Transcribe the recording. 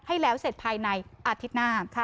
ให้แล้วเสร็จภายในอาทิตย์หน้า